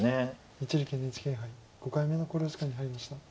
一力ＮＨＫ杯５回目の考慮時間に入りました。